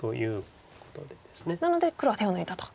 なので黒は手を抜いたと。